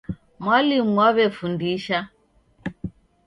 Mwalimu waw'efundisha.